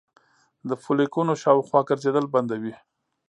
د فولیکونو شاوخوا ګرځیدل بندوي